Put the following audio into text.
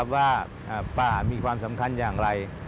ว่าป้ามีความสำคัญอย่างไร